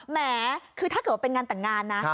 แหมคือถ้าเกิดว่าเป็นงานแต่งงานนะ